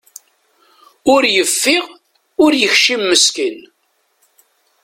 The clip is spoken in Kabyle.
Ur yeffiɣ, ur yekcim meskin.